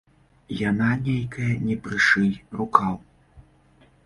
Яна нейкая не прышый рукаў.